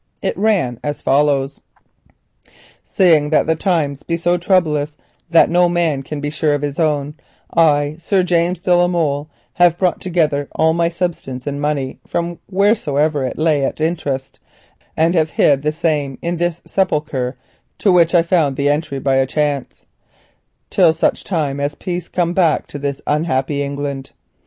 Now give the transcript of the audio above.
It ran as follows: "Seeing that the times be so troublous that no man can be sure of his own, I, Sir James de la Molle, have brought together all my substance in money from wheresoever it lay at interest, and have hid the same in this sepulchre, to which I found the entry by a chance, till such time as peace come back to this unhappy England.